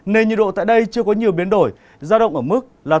nền nhiệt độ tại đây chưa có nhiều biến đổi giao động ở mức là